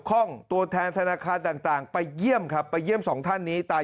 ข้องตัวแทนธนาคารต่างไปเยี่ยมครับไปเยี่ยมสองท่านนี้ตาย